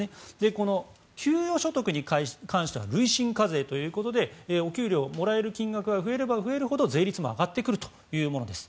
この給与所得に関しては累進課税ということでお給料、もらえる金額が増えれば増えるほど税率も上がってくるというものです。